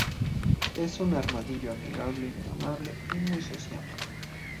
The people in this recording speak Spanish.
Es un armadillo amigable, amable y muy sociable.